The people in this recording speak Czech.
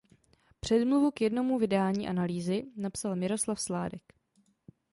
Předmluvu k jednomu vydání Analýzy napsal Miroslav Sládek.